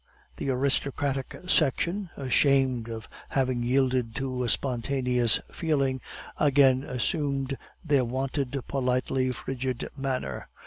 The aristocratic section, ashamed of having yielded to a spontaneous feeling, again assumed their wonted politely frigid manner.